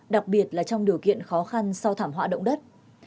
đặc biệt là trong điều kiện khó khăn sau thảm họa động đất